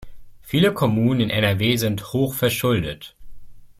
Viele Kommunen in NRW sind hochverschuldet.